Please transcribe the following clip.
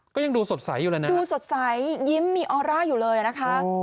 ก็ยังดูสดใสอยู่เลยนะดูสดใสยิ้มมีออร่าอยู่เลยนะคะ